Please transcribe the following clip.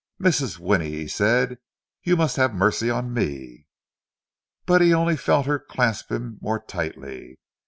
"Mrs. Winnie," he said, "you must have mercy on me!" But he only felt her clasp him more tightly.